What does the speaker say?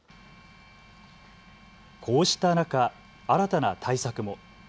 こうした中、新たな対策も。